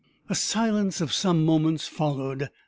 A silence of some moments followed.